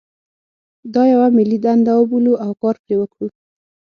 دا یوه ملي دنده وبولو او کار پرې وکړو.